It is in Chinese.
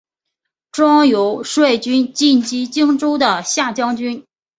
庄尤率军进击荆州的下江军。